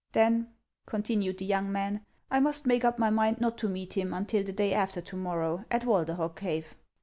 " Then," continued the young man, " I must make up my mind not to meet him until the day after to morrow at Walderhog cave."